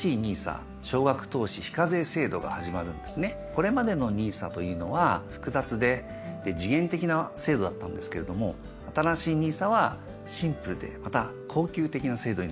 これまでのＮＩＳＡというのは複雑で時限的な制度だったんですけれども新しいＮＩＳＡはシンプルでまた恒久的な制度になります。